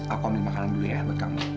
aku ambil makanan dulu ya buat kamu